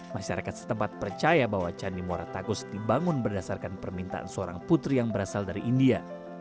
masyarakat setempat percaya bahwa candi muara takgus dibangun berdasarkan permintaan seorang putri yang berasal dari india